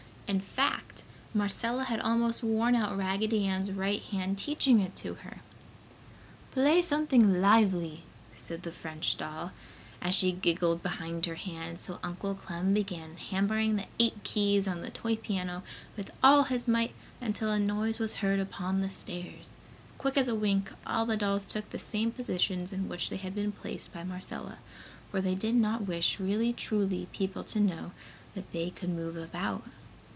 In fact, Marcella had almost worn out Raggedy Ann's right hand teaching it to her. "Play something lively!" said the French doll, as she giggled behind her hand, so Uncle Clem began hammering the eight keys on the toy piano with all his might until a noise was heard upon the stairs. Quick as a wink, all the dolls took the same positions in which they had been placed by Marcella, for they did not wish really truly people to know that they could move about.